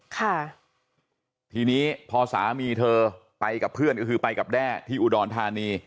ค่ะทีนี้พอสามีเธอไปกับเพื่อนก็คือไปกับแด้ที่อุดรธานี